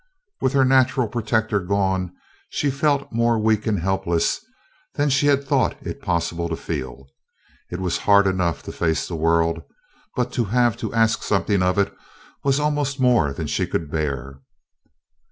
With her natural protector gone, she felt more weak and helpless than she had thought it possible to feel. It was hard enough to face the world. But to have to ask something of it was almost more than she could bear.